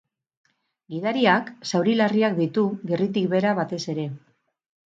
Gidariak zauri larriak ditu, gerritik behera batez ere.